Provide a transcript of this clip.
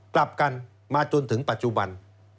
กลับกันมาจนถึงปัจจุบัน